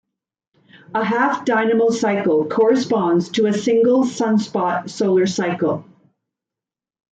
A half dynamo cycle corresponds to a single sunspot solar cycle.